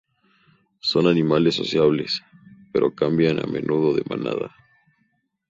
Son animales sociables, pero cambian a menudo de manada.